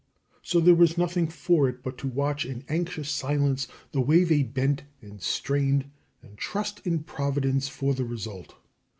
So there was nothing for it but to watch in anxious silence the way they bent and strained, and trust in Providence for the result.